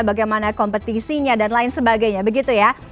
bagaimana kompetisinya dan lain sebagainya begitu ya